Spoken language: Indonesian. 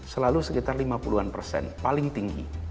selalu sekitar lima puluh an persen paling tinggi